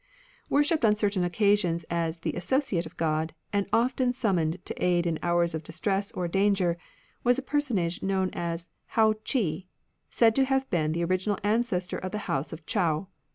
!•. Worshipped on certain occasions as Associato of Ood. the Associate of God, and often sum moned to aid in hours of distress or danger, was a personage known as Hou Chi, said to have been the original ancestor of the House of Chou.